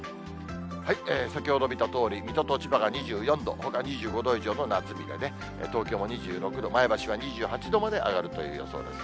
先ほど見たとおり、水戸と千葉が２４度、ほか２５度以上の夏日でね、東京も２６度、前橋は２８度まで上がるという予想です。